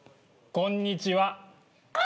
こんにちは。